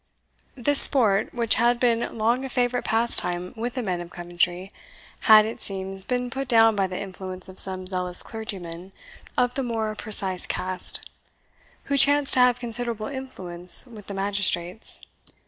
This sport, which had been long a favourite pastime with the men of Coventry, had, it seems, been put down by the influence of some zealous clergymen of the more precise cast, who chanced to have considerable influence with the magistrates.